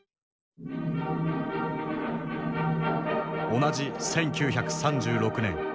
同じ１９３６年。